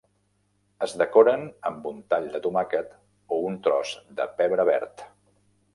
Es decoren amb un tall de tomàquet o un tros de pebre verd.